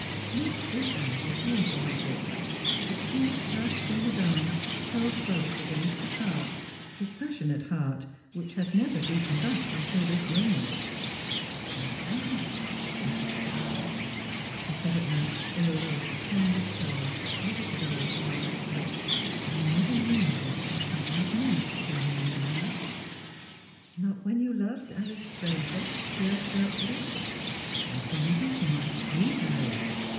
No swift answer came from his lips, but she was clasped in his arms, held close against his heart, his passionate heart, which had never beaten thus until this moment. *' ]\[y darling, my darling !" he said at last, in the lowest fondest tones that ever stole from a lover's lips. " I never knew what passionate love meant till I knew you." "Not when you loved Alice Fraser?" she asked doubtfully. " Not even for my sweet Alice.